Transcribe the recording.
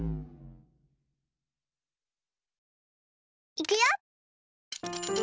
いくよ！